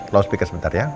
loar speaker sebentar ya